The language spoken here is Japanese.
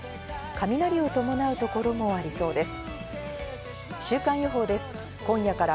雷を伴うところもありそうです。